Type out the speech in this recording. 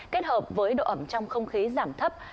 kết hợp với độ ẩm trong không khí giảm thấp